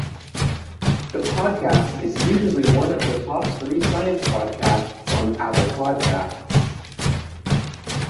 The podcast is usually one of the top three science podcasts on Apple Podcasts.